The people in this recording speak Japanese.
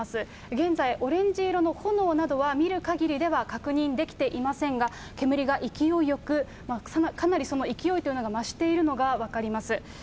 現在、オレンジ色の炎などは、見るかぎりでは確認できていませんが、煙が勢いよく、かなりその勢いというのが増しているのが分かります。